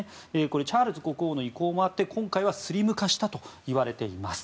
チャールズ国王の意向もあって今回はスリム化したといわれています。